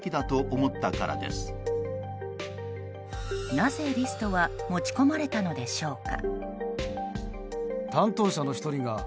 なぜ、リストは持ち込まれたのでしょうか。